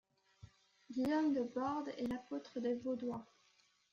Guillaume de Bordes est l'apôtre des Vaudois.